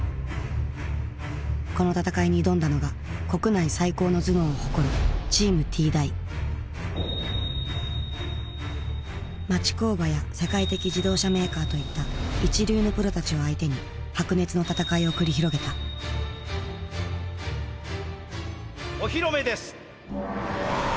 この戦いに挑んだのが国内最高の頭脳を誇るチームＴ大町工場や世界的自動車メーカーといった一流のプロたちを相手に白熱の戦いを繰り広げたお披露目です。